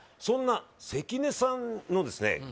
そんな関根さんのですね